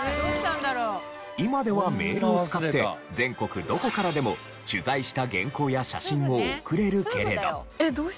今ではメールを使って全国どこからでも取材した原稿や写真を送れるけれど。